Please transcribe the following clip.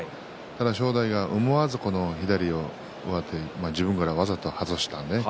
正代は思わず左上手を自分からわざと外したね。